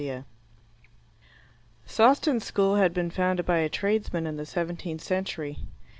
IV Sawston School had been founded by a tradesman in the seventeenth century.